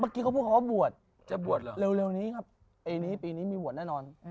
เมื่อกี้เขาพูดว่าบวชจะบวชเหรอเร็วนี้ครับปีนี้มีบวชแน่นอน